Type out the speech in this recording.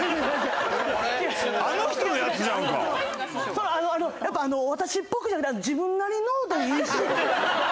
それあのやっぱ私っぽくじゃなく自分なりのでいいし。